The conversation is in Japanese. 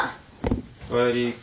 おかえり。